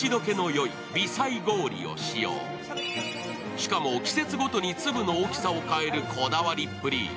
しかも季節ごとに粒の大きさを変えるこだわりっぷり。